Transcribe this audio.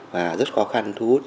và rất khó khăn thú hút